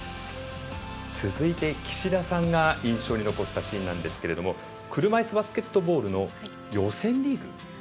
続いて、岸田さんが印象に残ったシーンなんですけれども車いすバスケットボールの予選リーグ。